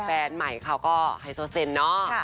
แฟนใหม่เขาก็ไฮโซเซนเนอะ